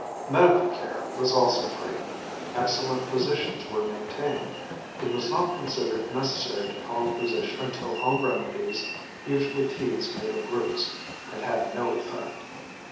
Medical care was also free. Excellent physicians were maintained. It was not considered necessary to call a physician until home remedies usually teas made of roots had had no effect.